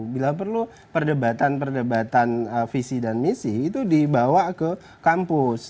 bila perlu perdebatan perdebatan visi dan misi itu dibawa ke kampus